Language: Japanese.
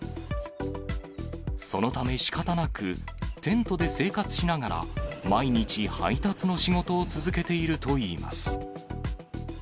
そのため、しかたなくテントで生活しながら、毎日配達の仕事を続けているといいます。